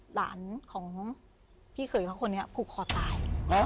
หลานของพี่เขยเขาคนนี้ผูกคอตาย